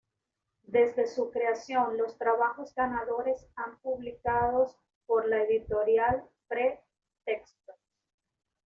Desde su creación los trabajos ganadores han publicados por la Editorial Pre-Textos.